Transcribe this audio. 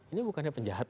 ini bukannya penjahat